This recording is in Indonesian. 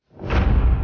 aku ingin tahu